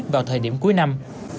vào thời điểm cuối năm